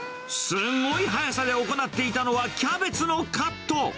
すごい速さで行っていたのはキャベツのカット。